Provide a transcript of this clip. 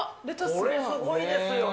これすごいですね。